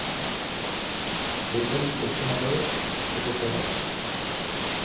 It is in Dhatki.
جيبن ٻڌائي پيوڪرو.